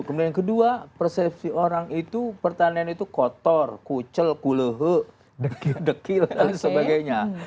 kemudian yang kedua persepsi orang itu pertanian itu kotor kucel kulehe dekil dekil dan sebagainya